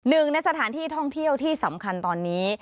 หนึ่งในสถานที่ท่องเที่ยวที่สำคัญตอนนี้